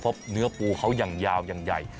เพราะเนื้อปูเขายังยาวใหญ่